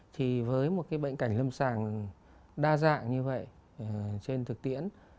thì với một cái bệnh cảnh lâm sàng đa dạng như vậy trên thực tiễn